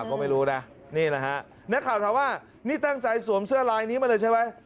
ก็ไม่รู้นะนี่นะฮะนักข่าวถามว่านี่ตั้งใจสวมเสื้อลายนี้มาเลยใช่ไหม